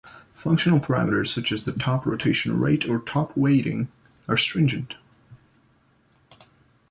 Functional parameters, such as the top rotation rate or top weighting, are stringent.